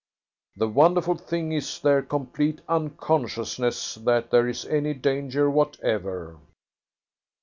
The wonderful thing is their complete unconsciousness that there is any danger whatever."